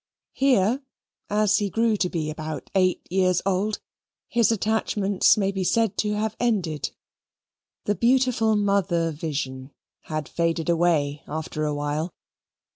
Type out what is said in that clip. Here, as he grew to be about eight years old, his attachments may be said to have ended. The beautiful mother vision had faded away after a while.